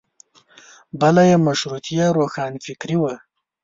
بله یې مشروطیه روښانفکري وه.